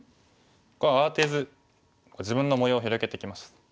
こう慌てず自分の模様を広げてきました。